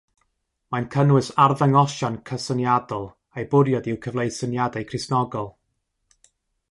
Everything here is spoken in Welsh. Mae'n cynnwys arddangosion cysyniadol a'u bwriad yw cyfleu syniadau Cristnogol.